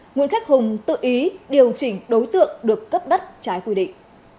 nguyễn khắc hùng tự ý điều chỉnh đối tượng được cấp đất trái quy định